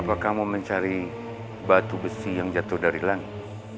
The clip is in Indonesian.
apakah mau mencari batu besi yang jatuh dari langit